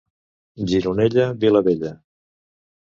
Gironella, vila vella.